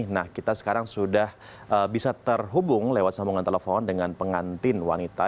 nah kita sekarang sudah bisa terhubung lewat sambungan telepon dengan pengantin wanita